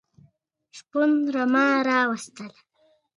د مایع هغه برخه چې کثافت یې لږ وي پورته ځي.